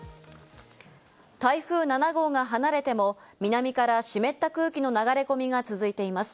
台風７号が離れても南から湿った空気の流れ込みが続いています。